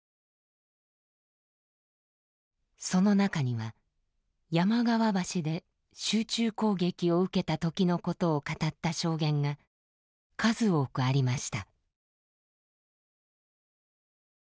その中には山川橋で集中攻撃を受けたときのことを語った証言が数多くありました。